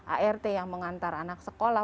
art yang mengantar anak sekolah